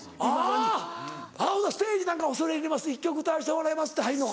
ほんならステージなんかも「恐れ入ります１曲歌わせてもらいます」って入んのか。